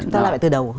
chúng ta lại từ đầu hả